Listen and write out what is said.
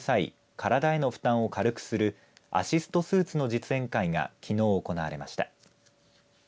体への負担を軽くするアシストスーツの実演会がきのう行われました。